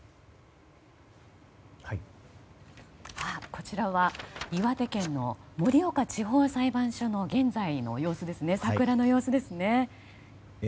こちらは岩手県の盛岡地方裁判所の現在の桜の様子ですね。